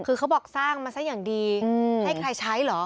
คือเขาบอกสร้างมาซะอย่างดีให้ใครใช้เหรอ